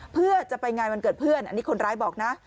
เพื่อจะไปงานวันเกิดเพื่อนอันนี้คนร้ายบอกนะ